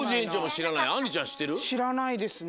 しらないですね。